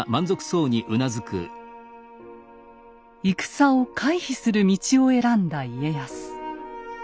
戦を回避する道を選んだ家康。